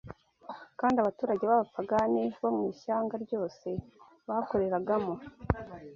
kandi abaturage b’abapagani bo mu ishyanga ryose bakoreragamo